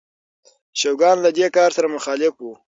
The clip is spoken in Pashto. شوګان له دې کار سره مخالف و.